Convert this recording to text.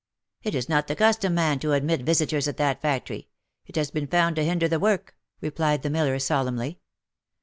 " It is not the custom, ma'am, to admit visiters at that factory. It have been found to hinder the work," replied the miller solemnly.